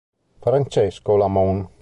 Francesco Lamon